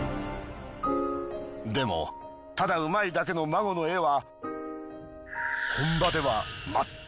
でもただうまいだけのＭＡＧＯの絵は。